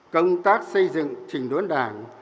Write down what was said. công tác xây dựng trình đốn đảng